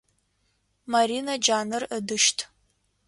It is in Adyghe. Марина джанэр ыдыщт.